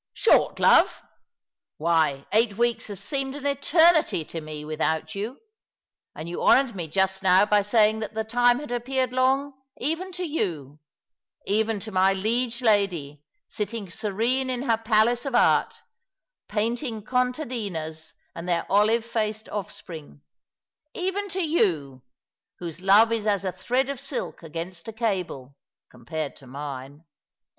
" Short, love ! why, eight weeks have seemed an eternity 236 All along the River ^ to me without you ; and you honoured me just now by saying that the time had appeared long, even to you — even to my liege lady, sitting serene in her palace of art, painting con tadinas and their olive faced offspring — even to yon, whoso love is as a thread of silk against a cable, compared to mine.